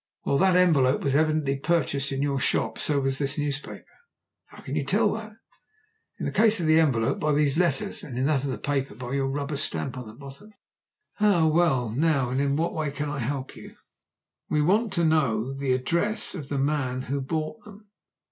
"Well, that envelope was evidently purchased in your shop. So was this newspaper." "How can you tell that?" "In the case of the envelope, by these letters; in that of the paper, by your rubber stamp on the bottom." "Ah! Well, now, and in what way can I help you?" "We want to know the address of the man who bought them."